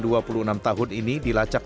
diberi penyelesaian di belakang